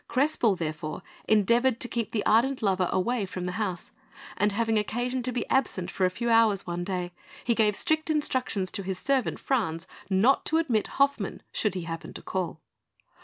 Crespel, therefore, endeavoured to keep the ardent lover away from the house; and having occasion to be absent for a few hours one day, he gave strict instructions to his servant, Franz, not to admit Hoffmann, should he happen to call.